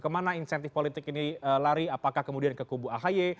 kemana insentif politik ini lari apakah kemudian ke kubu ahy